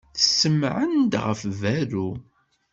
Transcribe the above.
Tessemɛen-d ɣef berru.